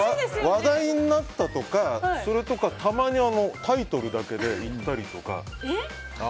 話題になったとかたまにタイトルだけで行ったりとか。